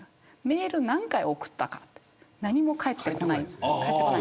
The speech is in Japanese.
メールを何回送ったかって何も返ってこない。